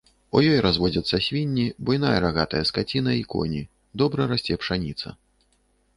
У ёй разводзяцца свінні, буйная рагатая скаціна і коні, добра расце пшаніца.